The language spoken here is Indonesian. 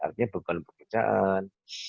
artinya bukan pekerjaan